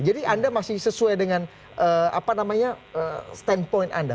jadi anda masih sesuai dengan apa namanya standpoint anda